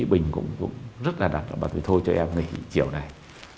bình cũng rất là đặc bà nói thôi cho em nghỉ chiều này